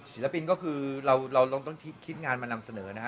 ศิลปินก็คือเราลองต้องคิดงานมานำเสนอนะฮะ